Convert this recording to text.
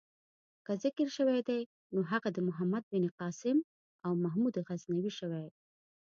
که ذکر شوی دی نو هغه د محمد بن قاسم او محمود غزنوي شوی.